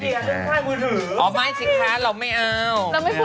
พี่เจอกันไม่ได้พอต่างกับภาพมือถือ